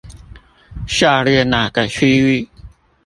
下列哪個區域